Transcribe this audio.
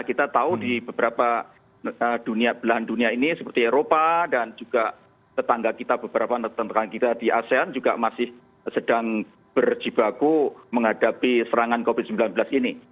kita tahu di beberapa belahan dunia ini seperti eropa dan juga tetangga kita beberapa tetangga kita di asean juga masih sedang berjibaku menghadapi serangan covid sembilan belas ini